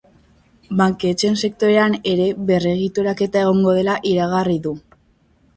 Banketxeen sektorean ere berregituraketa egongo dela iragarri du.